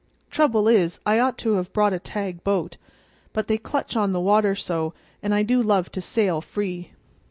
Trouble is I ought to have brought a tag boat; but they clutch on to the water so, an' I do love to sail free.